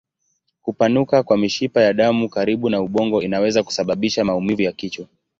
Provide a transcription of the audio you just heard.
Kupanuka kwa mishipa ya damu karibu na ubongo inaweza kusababisha maumivu ya kichwa.